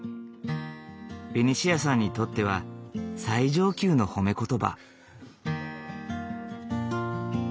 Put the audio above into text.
ベニシアさんにとっては最上級の褒め言葉。